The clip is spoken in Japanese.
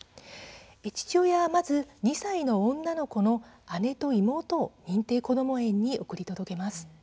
父親はまず２歳の女の子を姉と妹を認定こども園に送り届けます。